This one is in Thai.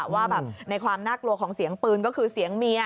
ว่าแบบในความน่ากลัวของเสียงปืนก็คือเสียงเมีย